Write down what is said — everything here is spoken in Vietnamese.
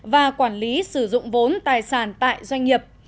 và quản lý sử dụng vốn tài sản tại doanh nghiệp